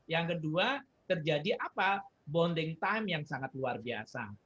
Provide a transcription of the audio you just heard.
yang kedua terjadi apa bonding time yang sangat luar biasa